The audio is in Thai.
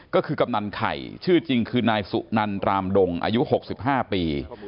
ก็คือกำนันไข่ชื่อจริงคือนายสุนันรามดงอายุ๖๕ปี